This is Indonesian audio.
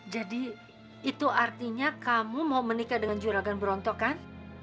jadi itu artinya kamu mau menikah dengan juragan bronto kan